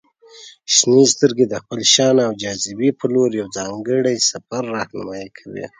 • شنې سترګې د خپل شان او جاذبې په لور یو ځانګړی سفر رهنمائي کوي.